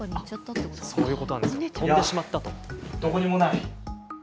いやどこにもない。